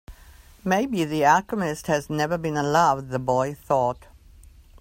Maybe the alchemist has never been in love, the boy thought.